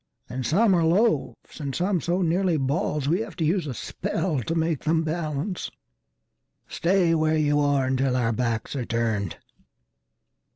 And some are loaves and some so nearly ballsWe have to use a spell to make them balance:"Stay where you are until our backs are turned!"